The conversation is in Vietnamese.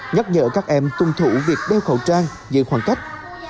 nhắc nhở các em tuân thủ việc đeo khẩu trang giữ khoảng cách